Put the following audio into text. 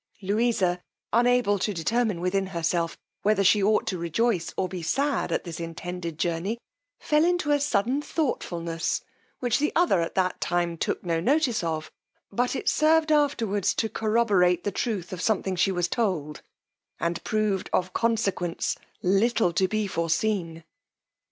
Louisa, unable to determine within herself whether she ought to rejoice, or be sad at this intended journey, fell into a sudden thoughtfulness, which the other at that time took no notice of, but it served afterwards to corroborate the truth of something she was told, and proved of consequence little to be foreseen.